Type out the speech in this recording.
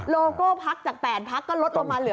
โลโก้พักจาก๘พักก็ลดลงมาเหลือ